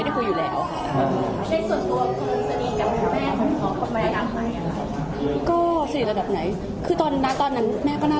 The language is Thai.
ได้ความรู้สึกว่ามันดูด้อยมันต้องมาลูกภาพ